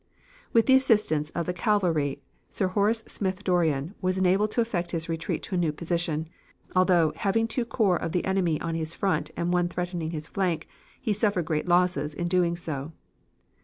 "With the assistance of the cavalry Sir Horace Smith Dorrien was enabled to effect his retreat to a new position; although, having two corps of the enemy on his front and one threatening his flank, he suffered great losses in doing so.